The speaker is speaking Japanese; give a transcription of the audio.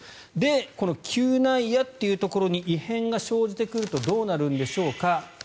この嗅内野というところに異変が生じてくるとどうなるんでしょうか。